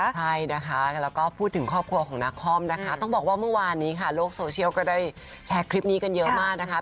ใช่นะคะแล้วก็พูดถึงครอบครัวของนาคอมนะคะต้องบอกว่าเมื่อวานนี้ค่ะโลกโซเชียลก็ได้แชร์คลิปนี้กันเยอะมากนะคะ